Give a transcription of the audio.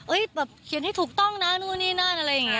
แบบเขียนให้ถูกต้องนะนู่นนี่นั่นอะไรอย่างนี้